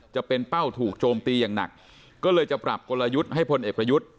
จะเป็นเป้าถูกโจมตีอย่างหนักก็เลยจะปรับกลยุทธ์ให้พลเอกประยุทธ์